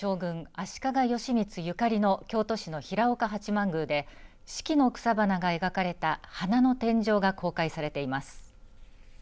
足利義満ゆかりの京都市の平岡八幡宮で四季の草花が描かれた花の天井が公開されています。